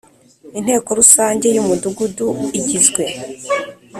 Inteko rusange y Umudugudu igizwe